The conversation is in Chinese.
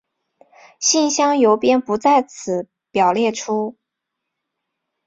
信箱邮编不在此表列出。